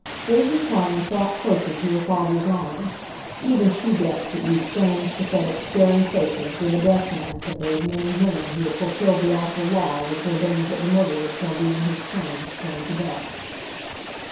Daisy clung a thought closer to her father's arm. Even she guessed that these strange, pathetic, staring faces were the death masks of those men and women who had fulfilled the awful law which ordains that the murderer shall be, in his turn, done to death.